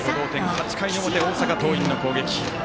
８回の表、大阪桐蔭の攻撃。